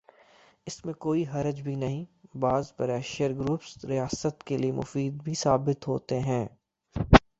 اس میں کوئی حرج بھی نہیں، بعض پریشر گروپس ریاست کے لئے مفید بھی ثابت ہوتے ہیں۔